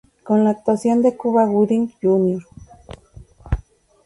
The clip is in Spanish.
Con la actuación de Cuba Gooding, Jr.